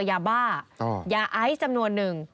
ยาบ้ายาไอซ์จำนวน๑